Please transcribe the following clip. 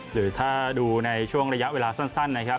หรือถ้าดูในช่วงระยะเวลาสั้นนะครับ